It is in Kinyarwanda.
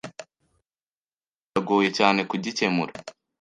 Iki kibazo kiragoye cyane kugikemura.